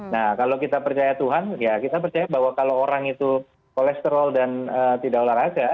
nah kalau kita percaya tuhan ya kita percaya bahwa kalau orang itu kolesterol dan tidak olahraga